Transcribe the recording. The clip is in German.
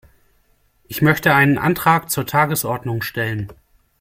Ich möchte einen Antrag zur Tagesordnung stellen.